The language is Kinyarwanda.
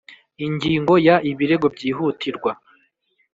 Ingingo ya ibirego byihutirwa